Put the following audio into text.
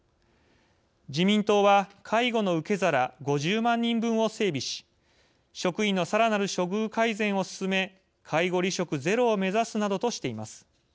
「自民党」は介護の受け皿５０万人分を整備し職員のさらなる処遇改善を進め介護離職ゼロを目指すなどとしています。